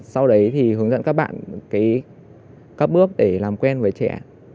sau đấy thì hướng dẫn các bạn các bước để làm quen với trẻ